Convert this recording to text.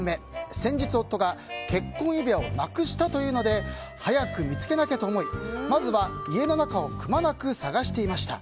先日、夫が結婚指輪をなくしたというので早く見つけなきゃと思いまずは家の中をくまなく捜していました。